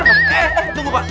eh eh tunggu pak